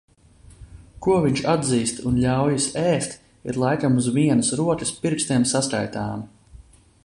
Ko viņš atzīst un ļaujas ēst, ir laikam uz vienas rokas pirkstiem saskaitāmi.